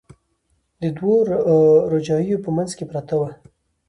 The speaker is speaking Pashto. د دوو روجاییو په منځ کې پرته وه.